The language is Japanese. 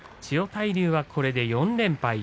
千代大龍はこれで４連敗。